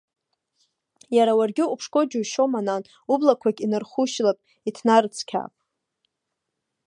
Иара уаргьы уԥшқоу џьушьома, нан, ублақәагь инархушьылап, иҭнарыцқьаап.